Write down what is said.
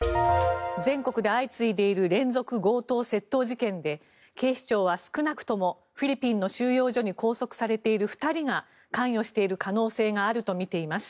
全国で相次いでいる連続強盗・窃盗事件で警視庁は少なくともフィリピンの収容所に拘束されている２人が関与している可能性があるとみています。